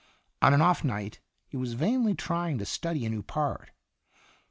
On an off night he was vainly trying to study a new part.